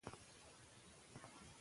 افغان ولس به په خپلو پښو ودرېږي.